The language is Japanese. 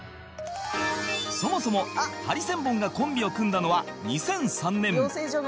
そもそもハリセンボンがコンビを組んだのは２００３年